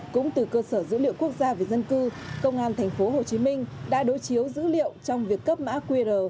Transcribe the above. cũng từ cơ sở dữ liệu quốc gia về dân cư công an tp hcm đã đối chiếu dữ liệu trong việc cấp mã qr